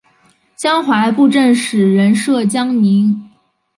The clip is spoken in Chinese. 江淮布政使仍设江宁。